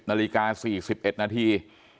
นาฬิกา๔๑นาที